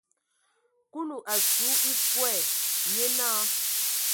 Kulu a su ekɔɛ, nye naa.